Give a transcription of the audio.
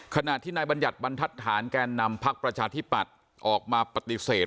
ขณะที่นายบัญญัติบรรทัศน์แกนนำพักประชาธิปัตย์ออกมาปฏิเสธ